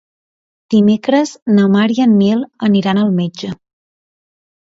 Dimecres na Mar i en Nil aniran al metge.